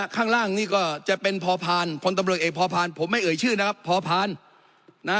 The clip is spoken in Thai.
ข้างล่างนี่ก็จะเป็นพอพานพลตำรวจเอกพอพานผมไม่เอ่ยชื่อนะครับพอผ่านนะ